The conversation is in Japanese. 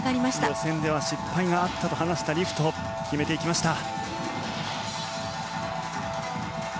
予選では失敗があったと話したリフト決めていきました。